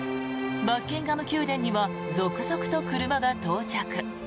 バッキンガム宮殿には続々と車が到着。